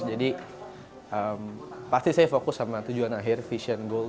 jadi pasti saya fokus sama tujuan akhir vision goal